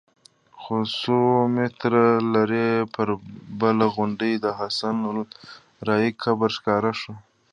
څو سوه متره لرې پر بله غونډۍ د حسن الراعي قبر ښکاره شو.